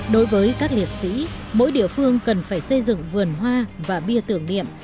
đối với các liệt sĩ mỗi địa phương cần phải xây dựng vườn hoa và bia tưởng niệm